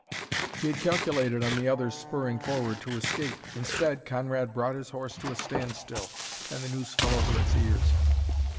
He had calculated on the other's spurring forward to escape; instead Conrad brought his horse to a standstill, and the noose fell over its ears.